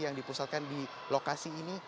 yang dipusatkan di lokasi ini